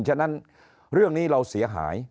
ฉะนั้นเรื่องนี้เราเสียหาย